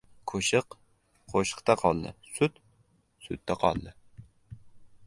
Ko‘shiq — qo‘shiqda qoldi, sut — sutda qoldi.